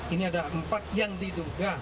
ini ada empat yang diduga